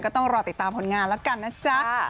ต้องรอติดตามผลงานแล้วกันนะจ๊ะ